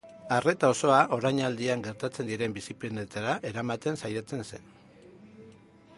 Arreta osoa orainaldian gertatzen diren bizipenetara eramaten saiatzen zen.